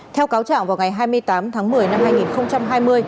theo cáo trảo vào ngày hai mươi tám tháng một mươi năm hai nghìn một mươi chín